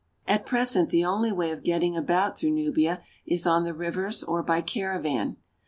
At present the only way of getting about through Nubia is on the rivers or by caravan.